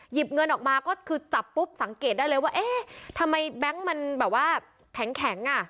หยิบเงินออกมาก็คือจับปุ๊บสังเกตได้เลยว่าเอ๊ะทำไมแบงค์มันแบบว่าแข็งอ่ะ